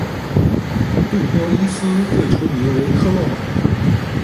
杜波依斯最初名为科洛马。